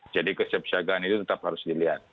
jadi kesiapsagaan itu tetap harus dilihat